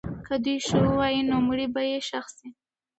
که دوی ښه ووایي، نو مړی به یې ښخ سي.